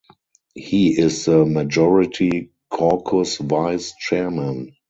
He is the Majority Caucus Vice Chairman.